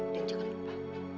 dan jangan lupa